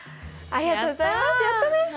ありがとうございます！